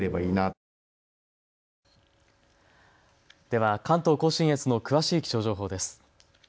では関東甲信越の詳しい気象情報です。